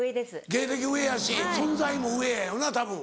芸歴上やし存在も上やよなたぶん。